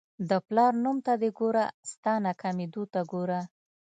د پلار نوم ته دې ګوره ستا ناکامېدو ته ګوره.